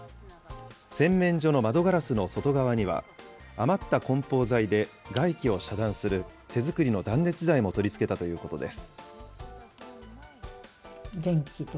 洗面所の窓ガラスの外側には、余ったこん包材で外気を遮断する手作りの断熱材も取り付けたということです。